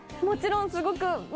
もちろんすごく。